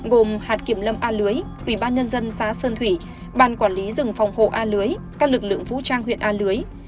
gồm hạt kiểm lâm a lưới ủy ban nhân dân xã sơn thủy ban quản lý rừng phòng hộ a lưới các lực lượng vũ trang huyện a lưới